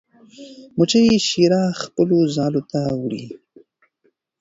مچۍ شیره خپلو ځالو ته وړي.